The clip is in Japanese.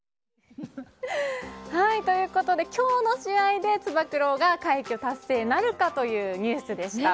ということで今日の試合でつば九郎が快挙達成なるかというニュースでした。